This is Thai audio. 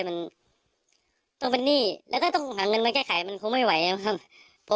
มันต้องเป็นหนี้แล้วก็ต้องหาเงินมาแก้ไขมันคงไม่ไหวแล้วครับ